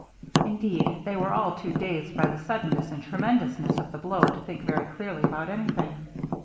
Indeed, they were all too dazed by the suddenness and tremendousness of the blow to think very clearly about anything.